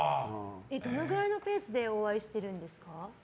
どのぐらいのペースでお会いしているんですか？